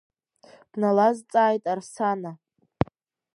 Дналазцааит Арсана.